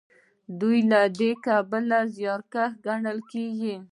دوی له دې کبله زیارکښ ګڼل کیږي.